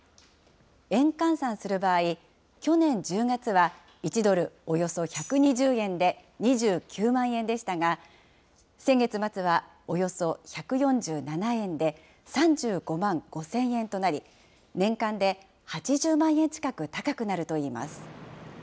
円換算する場合、去年１０月は１ドルおよそ１２０円で、２９万円でしたが、先月末はおよそ１４７円で３５万５０００円となり、年間で８０万円近く高くなるといいます。